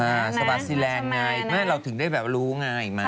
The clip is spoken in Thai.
อ่าสวาซีแหลมไงเราถึงได้รู้ง่ายมาก